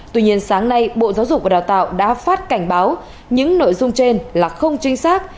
tuy nhiên sáng nay bộ giáo dục và đào tạo đã phát cảnh báo những nội dung trên là không chính xác